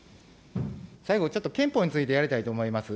最後、ちょっと憲法についてやりたいと思います。